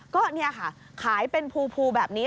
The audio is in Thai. ก็นี่ค่ะขายเป็นภูแบบนี้